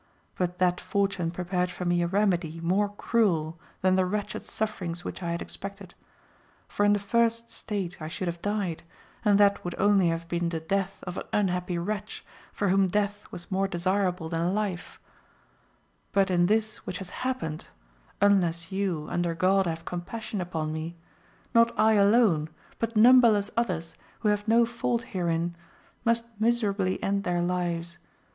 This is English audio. But that fortune prepared for me a remedy more cruel than the wretched sufferings which I had expected ; for in the first state I should have died, and that would only have been the death of an unhappy wretch, for whom death was more desirable than life* 108 AMADIS OF GAUL. But in this which has happened, unless you, under God have compassion upon me, not I alone but num berless others, who have no fault herein, must miser ably end their lives.